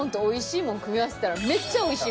組み合わせたら。